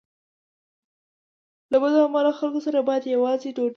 له بد عمله خلکو سره باید یوځای ډوډۍ ونه خوړل شي.